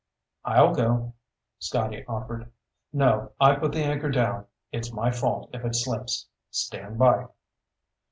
"I'll go," Scotty offered. "No. I put the anchor down. It's my fault if it slips. Stand by."